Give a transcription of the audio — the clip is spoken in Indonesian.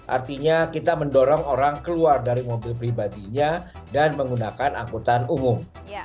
artinya kita mendorong orang keluar dari mobil pribadinya dan menggunakan angkutan umum